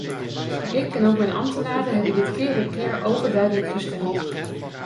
Ik en ook mijn ambtenaren hebben dit keer op keer overduidelijk gesteld.